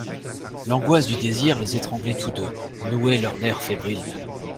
L'angoisse du désir les étranglait tous deux, nouait leurs nerfs fébriles.